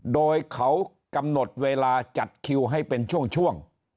โดยเขากำหนดเวลาจัดคิวให้เป็นช่วง